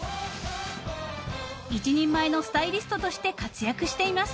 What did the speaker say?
［一人前のスタイリストとして活躍しています］